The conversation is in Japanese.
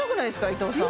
伊藤さん